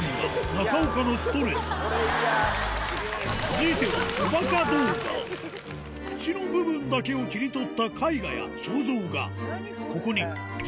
続いては口の部分だけを切り取った絵画や肖像画